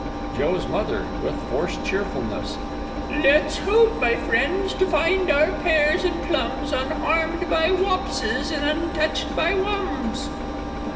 _ Joe's Mother (with forced cheerfulness) Let's hope, my friends, to find our pears and plums, Unharmed by wopses, and untouched by wums.